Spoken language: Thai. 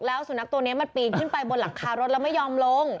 แล้วสุนัขตัวนี้มันปีนขึ้นไปบนหลังคารถแล้วไม่ยอมลง